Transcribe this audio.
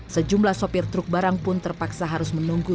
sejumlah sopir truk barang pun terpaksa harus menunggu